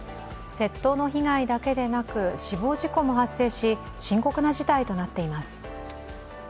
窃盗の被害だけでなく死亡事故も発生し深刻な事態となっています。